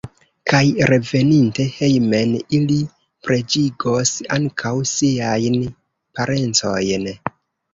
Kaj reveninte hejmen ili preĝigos ankaŭ siajn parencojn.